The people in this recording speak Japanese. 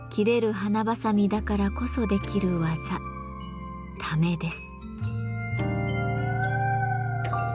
花ばさみだからこそできる技「矯め」です。